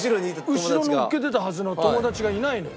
後ろ乗っけてたはずの友達がいないのよ。